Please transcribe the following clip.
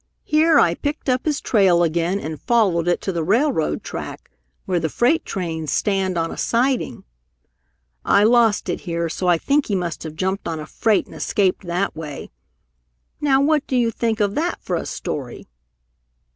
Here I picked up his trail again and followed it to the railroad track where the freight trains stand on a siding. I lost it here, so I think he must have jumped on a freight and escaped that way. Now what do you think of that for a story?"